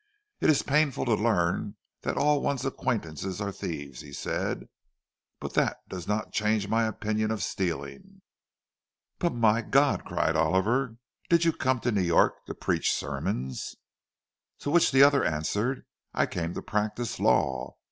"It is painful to learn that all one's acquaintances are thieves," he said. "But that does not change my opinion of stealing." "But my God!" cried Oliver; "did you come to New York to preach sermons?" To which the other answered, "I came to practise law.